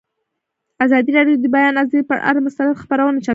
ازادي راډیو د د بیان آزادي پر اړه مستند خپرونه چمتو کړې.